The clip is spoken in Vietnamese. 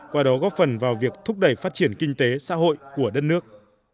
qua đó góp phần vào việc thúc đẩy phát triển kinh tế xã hội của đất nước